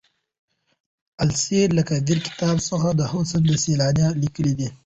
السير لکبير کتاب حسن سيلاني ليکی دی.